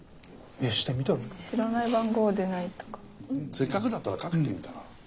せっかくだったらかけてみたら？